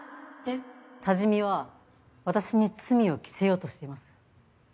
多治見は私に罪を着せようとしています。